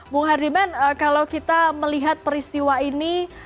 bung hardiman kalau kita melihat peristiwa ini